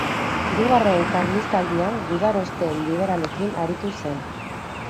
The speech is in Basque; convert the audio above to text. Hirugarren Karlistaldian gudaroste liberalekin aritu zen.